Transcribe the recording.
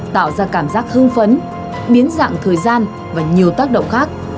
tạo ra cảm giác hưng phấn biến dạng thời gian và nhiều tác động khác